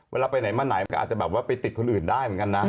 เวลาไปไหนมาไหนมันก็อาจจะแบบว่าไปติดคนอื่นได้เหมือนกันนะ